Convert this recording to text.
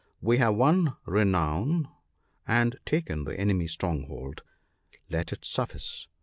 We have won renown and taken the enemy's stronghold ; let it suffice.